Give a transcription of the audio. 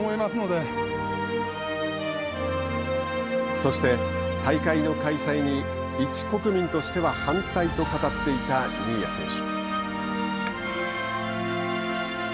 そして、大会の開催に「一国民としては反対」と語っていた新谷選手。